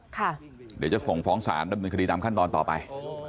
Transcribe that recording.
เดี๋ยวจะส่งฟ้องศาลดำเนินคดีตามขั้นตอนต่อไป